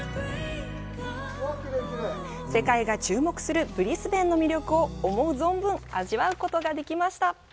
世界が注目するブリスベンの魅力を思う存分味わうことができました。